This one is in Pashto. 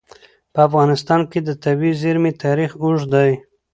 په افغانستان کې د طبیعي زیرمې تاریخ اوږد دی.